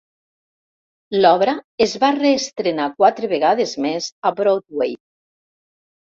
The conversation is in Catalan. L'obra es va reestrenar quatre vegades més a Broadway.